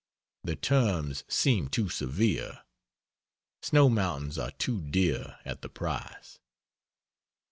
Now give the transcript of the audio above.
The terms seemed too severe. Snow mountains are too dear at the price....